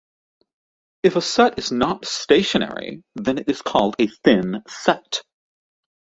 If a set is not stationary, then it is called a thin set.